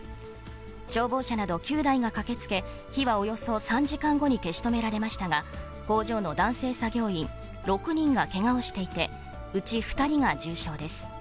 消防車など９台が駆けつけ、火はおよそ３時間後に消し止められましたが、工場の男性作業員６人がけがをしていて、うち２人が重傷です。